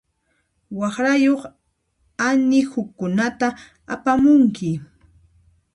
Waqrayuq anihukunata apamunki.